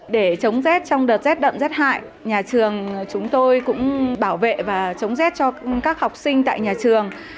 để chống rét trong đợt rét đậm rét hại nhà trường chúng tôi cũng bảo vệ và chống rét cho các học sinh tại nhà trường